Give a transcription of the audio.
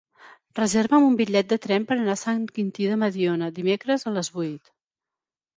Reserva'm un bitllet de tren per anar a Sant Quintí de Mediona dimecres a les vuit.